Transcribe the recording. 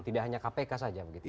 tidak hanya kpk saja begitu ya